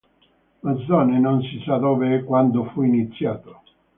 Massone, non si sa dove e quando fu iniziato.